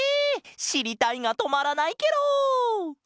しりたいがとまらないケロ！